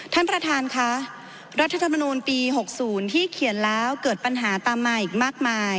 ท่านประธานค่ะรัฐธรรมนูลปี๖๐ที่เขียนแล้วเกิดปัญหาตามมาอีกมากมาย